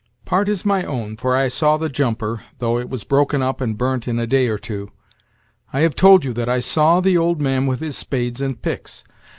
"Part is my own, for I saw the jumper, though it was broken up and burnt in a day or two. I have told you that I saw the old man with his spades and picks.